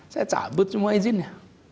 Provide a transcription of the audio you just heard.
saya cabut semua izinnya